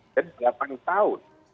jadi delapan tahun